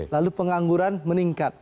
lalu pengangguran meningkat